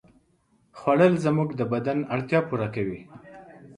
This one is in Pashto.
خوړل زموږ د بدن اړتیا پوره کوي